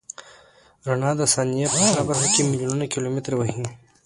رڼا د ثانیې په هره برخه کې میلیونونه کیلومتره وهي.